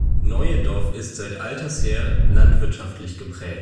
Neuendorf ist seit alters her landwirtschaftlich geprägt.